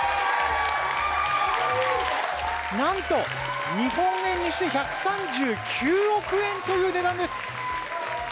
何と、日本円にして１３９億円という値段です。